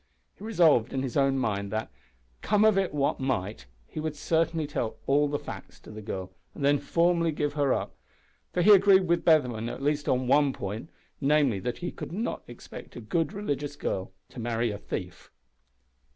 He resolved in his own mind that, come of it what might, he would certainly tell all the facts to the girl, and then formally give her up, for he agreed with Bevan at least on one point, namely, that he could not expect a good religious girl to marry a thief!